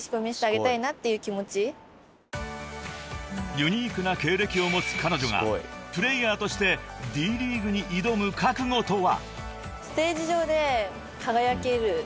［ユニークな経歴を持つ彼女がプレーヤーとしてＤ．ＬＥＡＧＵＥに挑む覚悟とは］